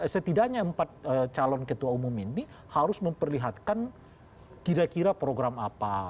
setidaknya empat calon ketua umum ini harus memperlihatkan kira kira program apa